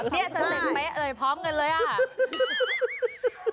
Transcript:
เดี๋ยวจะเสร็จไหมพร้อมกันเลยอ่ะ